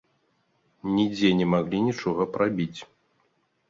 Нідзе не маглі нічога прабіць.